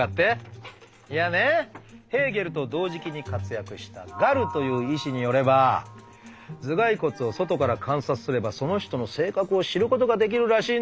いやねヘーゲルと同時期に活躍したガルという医師によれば頭蓋骨を外から観察すればその人の性格を知ることができるらしいんですよ。